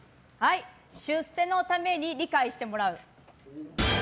出世のために理解してもらう。